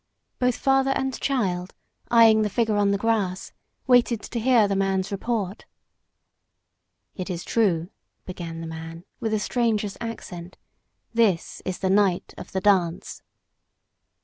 Both father and child, eyeing the figure on the grass, waited to hear the man's report. "It is true," began the man, with a stranger's accent. "This is the night of the dance."